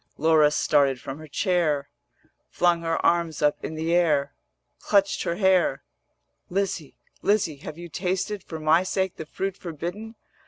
Laura started from her chair, Flung her arms up in the air, Clutched her hair: 'Lizzie, Lizzie, have you tasted For my sake the fruit forbidden?